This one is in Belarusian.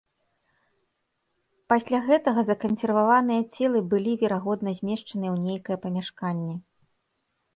Пасля гэтага закансерваваныя цела былі, верагодна, змешчаныя ў нейкае памяшканне.